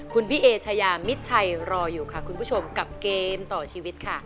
คุณพี่เอชายามิดชัยรออยู่ค่ะคุณผู้ชมกับเกมต่อชีวิตค่ะ